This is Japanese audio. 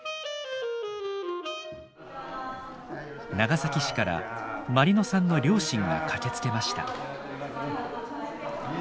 長崎市から毬乃さんの両親が駆けつけました。